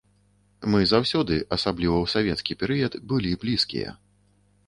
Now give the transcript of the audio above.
Мы заўсёды, асабліва ў савецкі перыяд, былі блізкія.